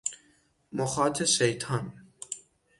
مخاط شیطان